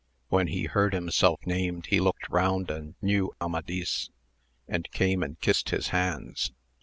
When he heard himself named he looked round and knew Amadis, and came and kissed his hands.